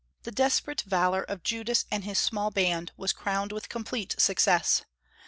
The desperate valor of Judas and his small band was crowned with complete success.